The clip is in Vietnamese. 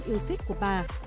yêu thích của bà